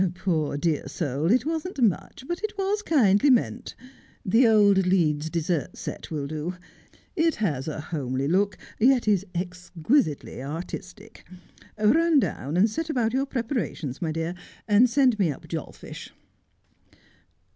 Poor dear soul, it wasn't much, but it was kindly meant. The old Leeds dessert set will do. It has a homely look, yet is exquisitely artistic. Run down, and set about your prepara tions, my dear, and send me up Jolfish.'